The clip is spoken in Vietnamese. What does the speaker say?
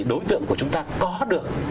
đối tượng của chúng ta có được